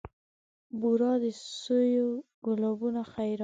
بورا د سویو ګلابونو خیرات